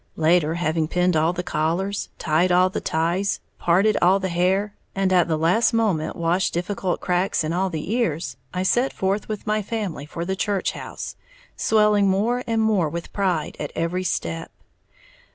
Later, having pinned all the collars, tied all the ties, parted all the hair, and at the last moment washed difficult cracks in all the ears, I set forth with my family for the "church house," swelling more and more with pride at every step.